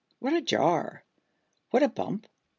What a jar! what a bump!